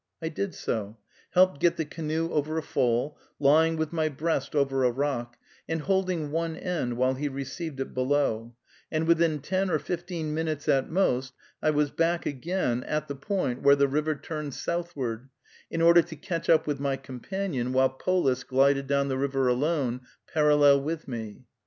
I did so, helped get the canoe over a fall, lying with my breast over a rock, and holding one end while he received it below, and within ten or fifteen minutes at most I was back again at the point where the river turned southward, in order to catch up with my companion, while Polis glided down the river alone, parallel with me.